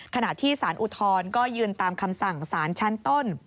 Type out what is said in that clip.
ขณะที่สารอุทธรณ์ก็ยืนตามคำสั่งสารชั้นต้น